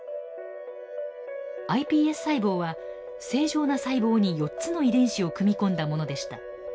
ｉＰＳ細胞は正常な細胞に４つの遺伝子を組み込んだものでした。